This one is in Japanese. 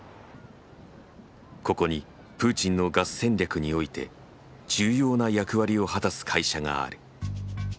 ここにプーチンのガス戦略において重要な役割を果たす会社がある。